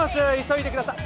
急いでくださ。